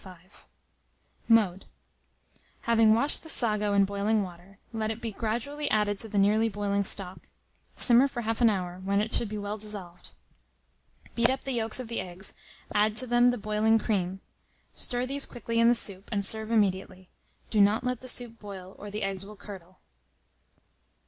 105. Mode. Having washed the sago in boiling water, let it be gradually added to the nearly boiling stock. Simmer for 1/2 an hour, when it should be well dissolved. Beat up the yolks of the eggs, add to them the boiling cream; stir these quickly in the soup, and serve immediately. Do not let the soup boil, or the eggs will curdle.